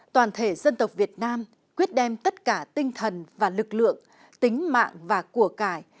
toàn thể dân tộc việt nam quyết đem tất cả tinh thần và lực lượng tính mạng và của cải